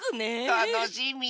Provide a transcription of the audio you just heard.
たのしみ。